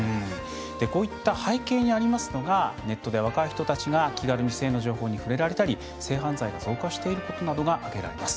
こういった背景にありますのがネットで若い人たちが気軽に性の情報に触れられたり性犯罪が増加していることなどが挙げられます。